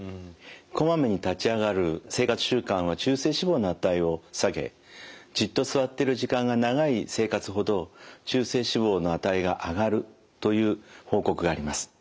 こまめに立ち上がる生活習慣は中性脂肪の値を下げじっと座ってる時間が長い生活ほど中性脂肪の値が上がるという報告があります。